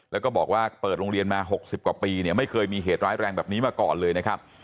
แล้วก็บอกว่าเปิดโรงเรียนมา๖๐กว่าปีเนี่ยไม่เคยมีเหตุร้ายแรงแบบนี้มาก่อนเลยนะครับ